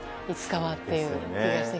いつかはっていう。